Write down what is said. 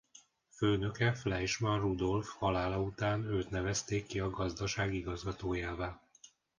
Főnöke Fleischmann Rudolf halála után őt nevezték ki a gazdaság igazgatójává.